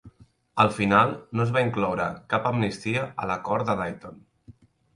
Al final, no es va incloure cap amnistia a l'Acord de Dayton.